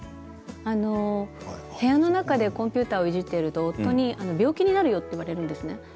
部屋の中でコンピューターをいじっていると病気になるよと夫に言われるんです。